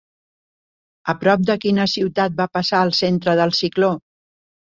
A prop de quina ciutat va passar el centre del cicló?